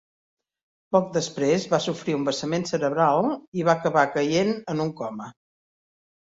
Poc després, va sofrir un vessament cerebral i va acabar caient en un coma.